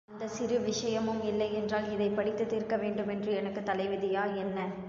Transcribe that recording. அந்தச் சிறு விஷயமும் இல்லையென்றால், இதைப் படித்துத் தீர்க்க வேண்டுமென்று எனக்குத் தலைவிதியா, என்ன?